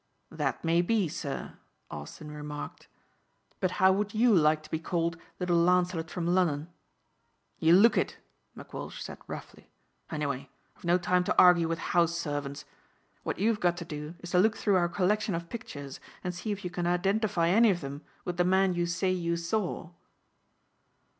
"That may be sir," Austin remarked, "but how would you like to be called 'Little Lancelot from Lunnon'?" "You look it," McWalsh said roughly. "Anyway I've no time to argue with house servants. What you've got to do is to look through our collection of pictures and see if you can identify any of 'em with the man you say you saw."